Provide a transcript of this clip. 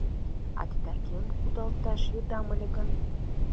«... а титакемым кудалташ йодам ыле гын?